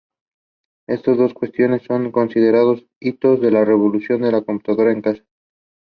The last player to have toppings left is the winner of the game.